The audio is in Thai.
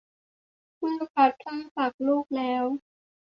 เมื่อพลัดพรากจากลูกแล้ว